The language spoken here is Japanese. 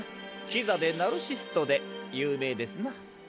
キザでナルシストでゆうめいですな。